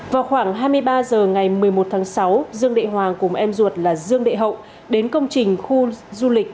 vào khoảng hai mươi ba h ngày một mươi một tháng sáu dương đệ hoàng cùng em ruột là dương đệ hậu đến công trình khu du lịch